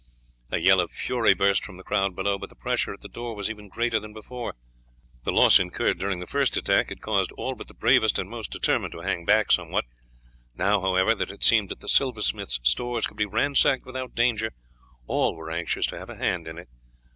A yell of fury burst from the crowd below, but the pressure at the door was even greater than before. The loss incurred during the first attack had caused all but the bravest and most determined to hang back somewhat; now, however, that it seemed that the silversmith's stores could be ransacked without danger, all were anxious to have a hand in it.